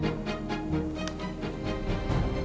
ya ampun mbak dewi